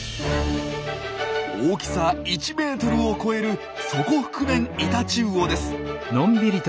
大きさ１ｍを超えるソコフクメンイタチウオです。